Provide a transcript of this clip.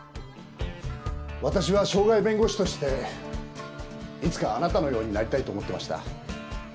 わたしは渉外弁護士としていつかあなたのようになりたいと思ってました。